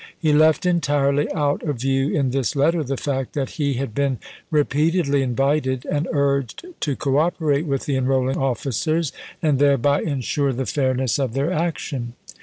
He left entirely out of view in this letter the fact that he had been re peatedly invited and urged to cooperate with the enrolling officers, and thereby insure the fairness of their action.